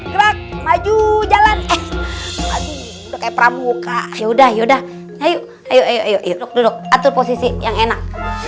gerak maju jalan eh udah kayak pramuka ya udah ya udah ayo ayo ayo ayo duduk atur posisi yang enak